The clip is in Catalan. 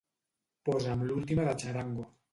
Posa'm l'última de Txarango.